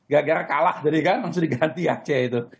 gara gara kalah dari kan langsung diganti aceh itu